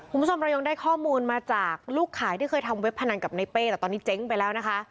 คุณผู้ชมเรายังได้ข้อมูลมาจากลูกขายที่เคยทำเว็บพนันกับในเป้แต่ตอนนี้เจ๊งไปแล้วนะคะ